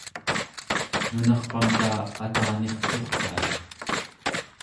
nunarpamta atanirturtai